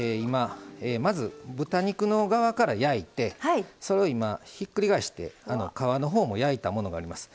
まず豚肉の側から焼いてそれをひっくり返して皮のほうも焼いたものがあります。